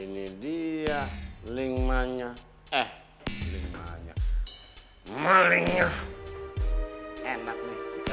ini dia lingmanya eh malingnya enak